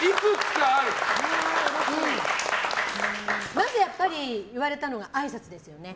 まずやっぱり言われたのがあいさつですよね。